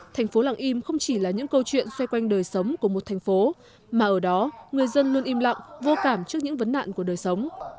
thành phố làng im không chỉ là những câu chuyện xoay quanh đời sống của một thành phố mà ở đó người dân luôn im lặng vô cảm trước những vấn nạn của đời sống